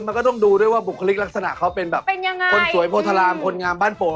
มันก็ต้องดูด้วยว่าบุคลิกลักษณะเขาเป็นแบบคนสวยโภทรารามคนงามบ้านป่อ